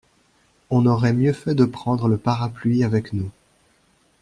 On aurait mieux fait de prendre le parapluie avec nous.